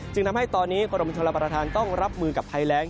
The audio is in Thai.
ทำให้ตอนนี้กรมชนรับประทานต้องรับมือกับภัยแรง